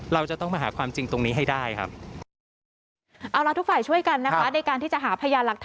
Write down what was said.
เราจะต้องมาหาความจริงตรงนี้ให้ได้ครับ